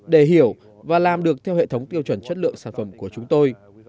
để hiểu và làm được theo hệ thống tiêu chuẩn chất lượng sản phẩm của chúng tôi